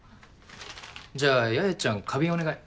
じゃあ八重ちゃん花瓶お願い。